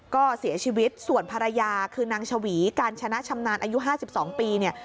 ก็เสียชีวิตส่วนภรรยาคือนางชวีการชนะชำนาญอายุ๕๒ปีเนี่ย